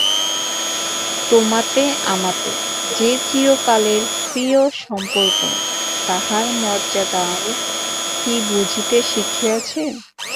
তোমাতে আমাতে যে চিরকালের প্রিয়সম্পর্ক তাহার মর্যাদা ও কি বুঝিতে শিখিয়াছে।